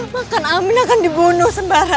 maka amin akan dibunuh sembara